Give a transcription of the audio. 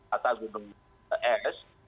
data gunung es